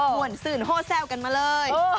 วนซื่นโฮแซวกันมาเลย